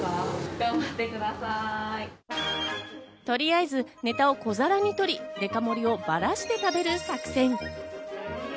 とりあえずネタを小皿に取り、デカ盛りをバラして食べる作戦。